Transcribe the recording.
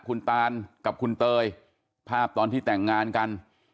คุณตานกับคุณเตยภาพตอนที่แต่งงานกัน